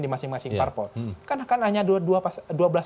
di masing masing parpol kan akan hanya